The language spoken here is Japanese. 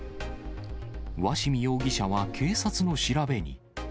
鷲見容疑者は警察の調べに。